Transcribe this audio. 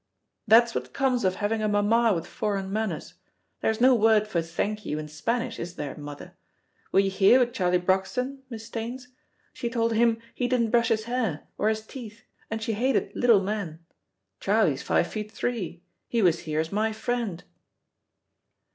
"That's what comes of having a mamma with foreign manners. There's no word for 'thank you' in Spanish, is there, mother? Were you here with Charlie Broxton, Miss Staines? She told him he didn't brush his hair, or his teeth, and she hated little men. Charlie's five feet three. He was here as my friend."